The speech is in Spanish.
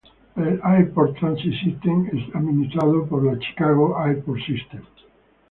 El Airport Transit System es administrado por la Chicago Airport System.